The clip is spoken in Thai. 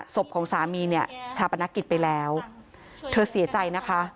ศพของสามีเนี่ยชาปนกิจไปแล้วเธอเสียใจนะคะ